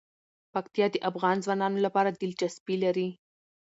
پکتیا د افغان ځوانانو لپاره دلچسپي لري.